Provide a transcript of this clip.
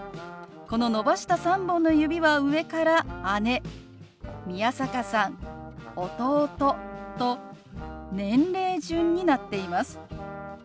この伸ばした３本の指は上から姉宮坂さん弟と年齢順になっています。